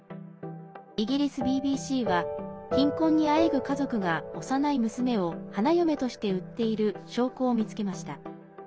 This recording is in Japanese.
イギリスＢＢＣは貧困にあえぐ家族が幼い娘を花嫁として売っている証拠を見つけました。